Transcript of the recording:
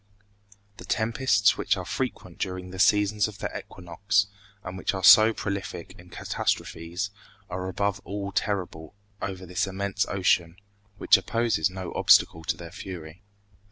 The tempests which are frequent during the seasons of the equinox, and which are so prolific in catastrophes, are above all terrible over this immense ocean, which opposes no obstacle to their fury.